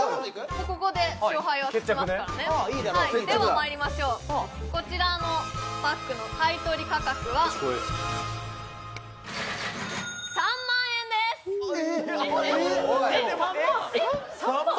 もうここで勝敗はつきますからねではまいりましょうこちらのバッグの買い取り価格は３万円ですえっ３万？